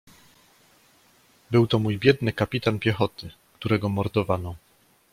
"Był to mój biedny kapitan piechoty, którego mordowano."